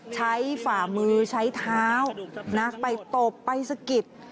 ฝ่ามือใช้เท้าไปตบไปสะกิด